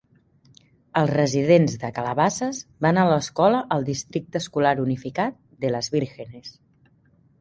Els residents de Calabasas van a l'escola al districte escolar unificat de Las Virgenes.